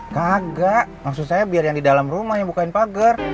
kagak maksud saya biar yang di dalam rumah yang bukain pagar